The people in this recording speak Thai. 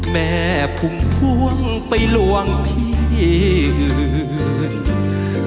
แม่พุงพ่วงไปลวงที่อื่น